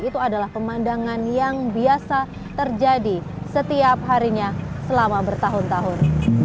itu adalah pemandangan yang biasa terjadi setiap harinya selama bertahun tahun